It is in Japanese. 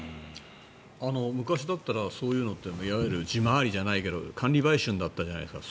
昔だったらそういうのって地回りとか管理売春だったじゃないですか。